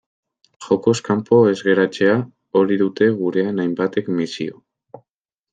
Jokoz kanpo ez geratzea, hori dute gurean hainbatek misio.